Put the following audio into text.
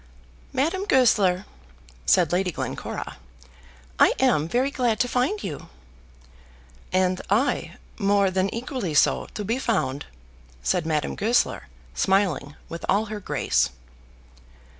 "Madame Goesler," said Lady Glencora, "I am very glad to find you." "And I more than equally so, to be found," said Madame Goesler, smiling with all her grace.